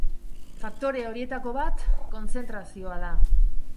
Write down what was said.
Faktore horietako bat kontzentrazioa da.